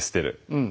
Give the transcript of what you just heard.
うん。